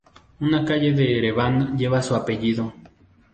Una calle de Ereván lleva su apellido.